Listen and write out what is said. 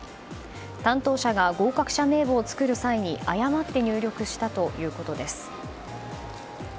担当者が合格者名簿を作る際に誤って入力したということです。